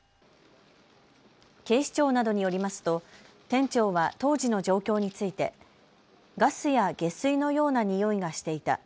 警視庁などによりますと店長は当時の状況についてガスや下水のようなにおいがしていた。